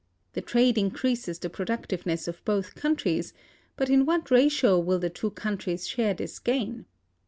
The trade increases the productiveness of both countries, but in what ratio will the two countries share this gain?